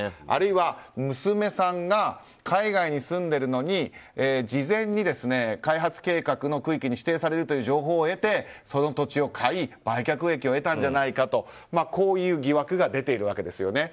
あるいは、娘さんが海外に住んでいるのに事前に開発計画の区域に指定されると情報を得て、その土地を買い売却益を得たんじゃないかというこういう疑惑が出ているわけです。